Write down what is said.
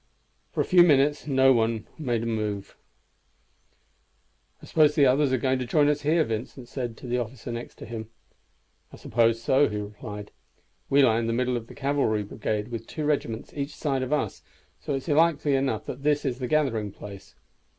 For a few minutes no move was made. "I suppose the others are going to join us here," Vincent said to the officer next him. "I suppose so," he replied. "We lie in the middle of the cavalry brigade with two regiments each side of us, so it is likely enough this is the gathering place.